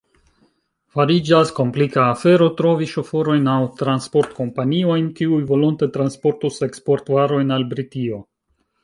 Fariĝas komplika afero trovi ŝoforojn aŭ transportkompaniojn, kiuj volonte transportus eksportvarojn al Britio.